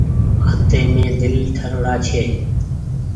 هآتيم دل ٺرو ڙآ ڇي۔